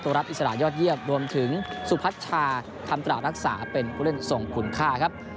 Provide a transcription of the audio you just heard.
รับอิสระยอดเยี่ยมรวมถึงสุพัชชาคำตรารักษาเป็นผู้เล่นส่งคุณค่าครับ